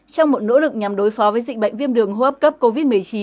trong một nỗ lực nhằm đối phó với dịch bệnh viêm đường hô hấp cấp covid một mươi chín